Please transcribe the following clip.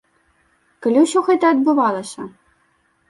Калі ўсё гэта адбывалася?